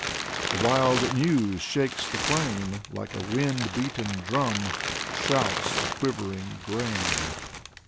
" The wild news shakes the plain. Like a wind beaten drum Shouts the quivering grain.